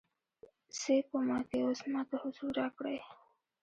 څې کومه کې اوس ماته حضور راکړی